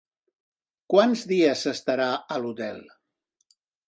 Quants dies s'estarà a l'hotel?